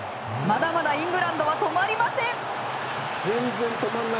まだまだイングランドは止まりません。